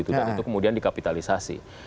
dan itu kemudian dikapitalisasi